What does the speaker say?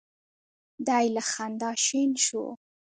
دی له خندا شین شو.